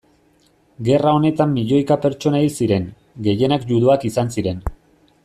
Gerra honetan milioika pertsona hil ziren, gehienak juduak izan ziren.